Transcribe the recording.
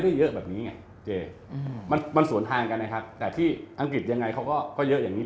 แต่ที่อังกฤษยังไงเขาก็เยอะอย่างนี้